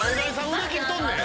売れ切っとんねん！